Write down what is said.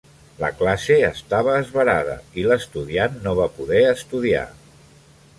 La classe estava esverada, i l'estudiant no va poder estudiar